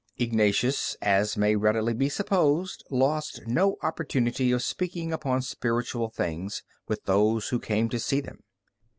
Ignatius, as may readily be supposed, lost no opportunity of speaking upon spiritual things with those who came to see them.